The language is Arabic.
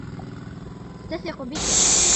ستثق بك.